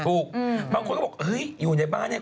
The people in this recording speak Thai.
ถูกบางคนก็บอกอยู่ในบ้านเนี่ย